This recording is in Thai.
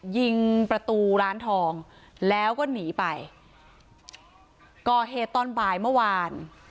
ยิงประตูร้านทองแล้วก็หนีไปก่อเหตุตอนบ่ายเมื่อวาน